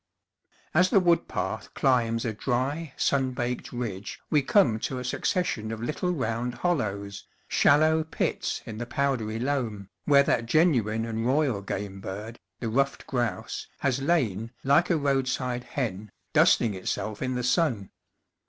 As the wood path climbs a dry, sun baked ridge, we come to a succession of little round hollows, shallow pits in the powdery loam, where that genuine and royal game bird, the ruffed grouse, has lain, like a roadside hen, 165 Where Town and Country Meet dusting itself in the sun.